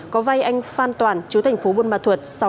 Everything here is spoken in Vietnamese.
có vai anh phan toàn chú thành phố buôn ma thuật